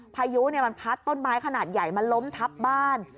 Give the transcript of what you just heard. พายุมันพัดต้นไม้ขนาดใหญ่มันล้มทับบ้าน